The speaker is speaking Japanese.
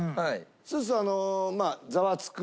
そうするとあのザワつく！